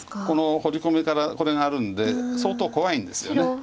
このホウリ込みからこれがあるんで相当怖いんですよね。